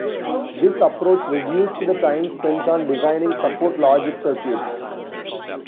This approach reduced the time spent on designing support logic circuits.